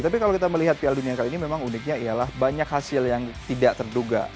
tapi kalau kita melihat piala dunia kali ini memang uniknya ialah banyak hasil yang tidak terduga